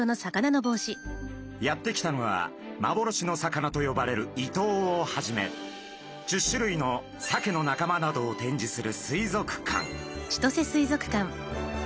やって来たのはまぼろしの魚と呼ばれるイトウをはじめ１０種類のサケの仲間などを展示する水族館。